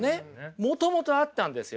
もともとあったんですよね。